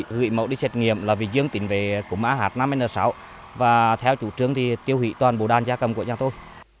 gửi mẫu đi xét nghiệm là vì dương tỉnh về của mã h năm n sáu và theo chủ trương thì tiêu hủy toàn bộ đàn gia cầm của nhà tôi